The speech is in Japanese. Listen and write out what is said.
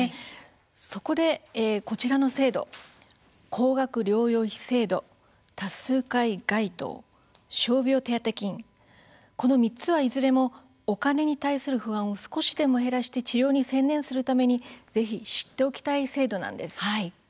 そこでこちらの制度高額療養費制度多数回該当、傷病手当金この３つはいずれもお金に対する不安を少しでも減らして治療に専念するためにぜひ、知っておきたい制度なんです。